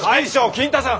金太さん！